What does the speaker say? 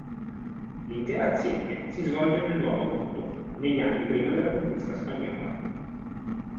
L'intera azione si svolge nel Nuovo Mondo, negli anni prima della conquista spagnola.